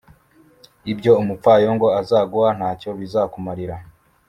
Ibyo umupfayongo azaguha, nta cyo bizakumarira,